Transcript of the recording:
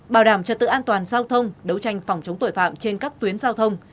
bảo đảm trật tự an toàn giao thông đấu tranh phòng chống tội phạm trên các tuyến giao thông